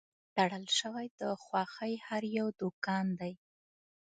تړل شوی د خوښۍ هر یو دوکان دی